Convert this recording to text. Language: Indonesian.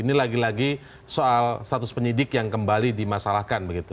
ini lagi lagi soal status penyidik yang kembali dimasalahkan begitu